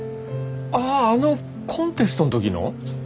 あああのコンテストの時の？